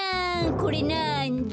これなんだ？